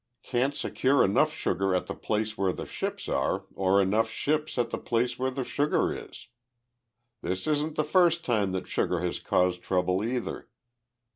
Can't secure enough sugar at the place where the ships are or enough ships at the place where the sugar is. "This isn't the first time that sugar has caused trouble, either.